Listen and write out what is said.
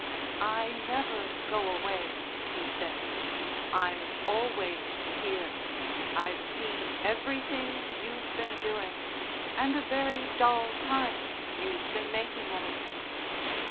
"I never go away," he said. "I'm always here. I've seen everything you've been doing, and a very dull time you've been making of it."